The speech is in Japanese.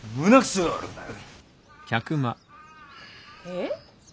えっ？